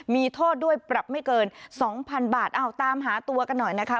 มีโทษด้วยปรับไม่เกินสองพันบาทเอาตามหาตัวกันหน่อยนะคะ